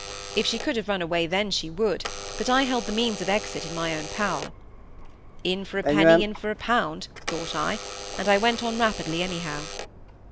If she could have run away then she would, but I held the means of exit in my own power. "In for a penny, in for a pound," thought I, and I went on rapidly, anyhow.